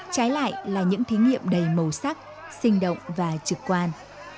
trái lại là những thí nghiệm đầy màu sắc sinh động và trực quan